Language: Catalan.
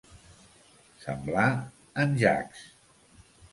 Semblar en Jaques.